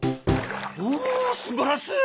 おお素晴らしい。